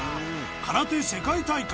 空手世界大会